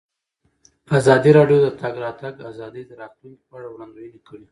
ازادي راډیو د د تګ راتګ ازادي د راتلونکې په اړه وړاندوینې کړې.